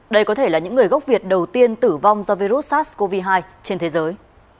đây có thể là những người gốc việt đầu tiên tử vong do virus sars cov hai trên thế giới